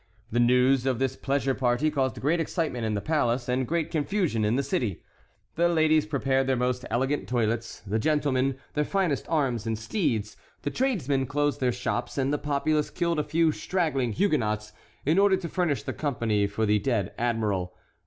The news of this pleasure party caused great excitement in the palace and great confusion in the city: the ladies prepared their most elegant toilets; the gentlemen, their finest arms and steeds; the tradesmen closed their shops, and the populace killed a few straggling Huguenots, in order to furnish company for the dead admiral.